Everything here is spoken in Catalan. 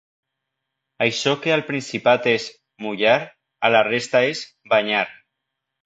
Això que al Principat és ‘mullar’, a la resta és ‘banyar’.